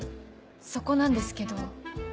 そこなんですけど。